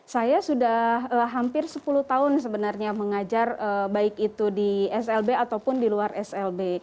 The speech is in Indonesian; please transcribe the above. saya sudah hampir sepuluh tahun sebenarnya mengajar baik itu di slb ataupun di luar slb